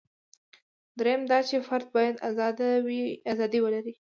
درېیم دا چې فرد باید ازادي ولري.